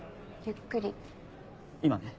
今ね